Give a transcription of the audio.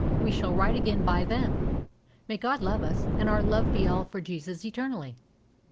We shall write again by them. May God love us, and our love be all for Jesus eternally.